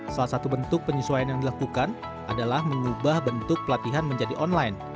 salah satu bentuk penyesuaian yang dilakukan adalah mengubah bentuk pelatihan menjadi online